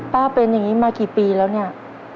เป็นอย่างนี้มากี่ปีแล้วเนี่ย